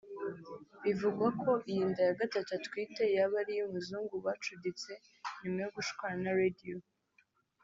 Bivugwa ko iyi nda ya Gatatu atwite yaba ari iy’umuzungu bacuditse nyuma yo gushwana na Radio